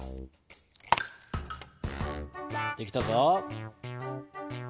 できたぞ。